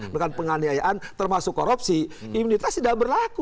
bahkan penganiayaan termasuk korupsi imunitas tidak berlaku